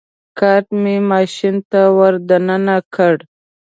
کارټ مې ماشین ته ور دننه کړ.